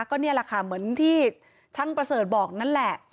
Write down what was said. ก็นี่แหละค่ะเหมือนที่ช่างประเสริฐบอกนั่นแหละ